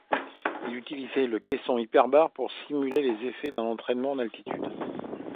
Il utilisait un caisson hyperbare pour simuler les effets d'un entraînement en altitude.